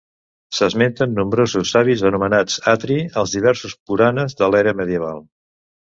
S'esmenten nombrosos savis anomenats Atri als diversos puranas de l'era medieval.